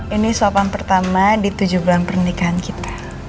ini suapan pertama di tujuh bulan pernikahan kita